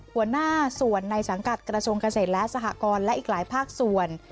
หัวหน้าส่วนในสังกัดกระทรวงเกษตรและสหกรณ์และอีกหลายภาคส่วน